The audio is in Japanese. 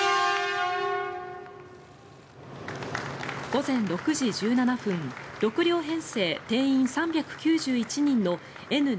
午前６時１７分６両編成、定員３９１人のＮ７００Ｓ